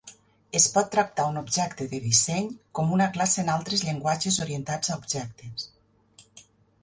Es pot tractar un objecte de disseny com una classe en altres llenguatges orientats a objectes.